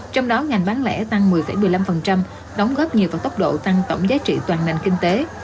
trong đó ngành bán lẻ tăng một mươi một mươi năm đóng góp nhiều vào tốc độ tăng tổng giá trị toàn ngành kinh tế